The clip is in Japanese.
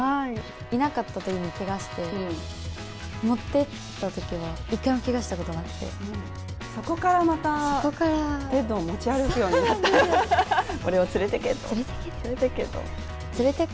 いなかったときにけがをして持って行ったときは１回もけがしたことなくてそこからまたテッドを持ち歩くようになったんですね。